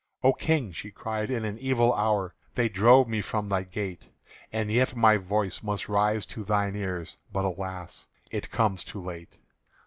"O King," she cried, "in an evil hour They drove me from thy gate; And yet my voice must rise to thine ears; But alas! it comes too late!